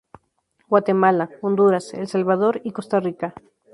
Guatemala, Honduras, El Salvador y Costa Rica.